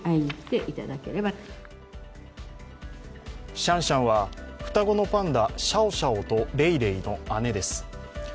シャンシャンは、双子のパンダシャオシャオとレイレイの姉です。